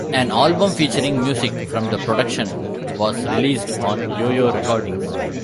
An album featuring music from the production was released on Yoyo Recordings.